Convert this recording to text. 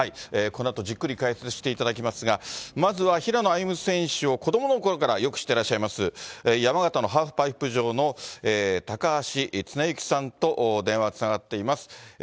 このあとじっくり解説していただきますが、まずは平野歩夢選手を子どものころからよく知ってらっしゃいます、山形のハーフパイプ場の高橋恒行さんと、電話がつながっています。